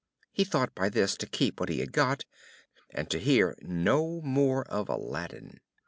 He thought by this to keep what he had got, and to hear no more of Aladdin.